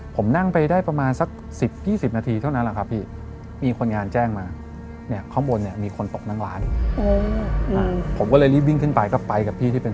ผมนั่งไปได้ประมาณสัก๑๐๒๐นาทีเท่านั้นแหละครับพี่